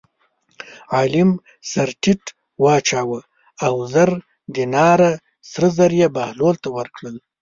عالم سر ټیټ واچاوه او زر دیناره سره زر یې بهلول ته ورکړل.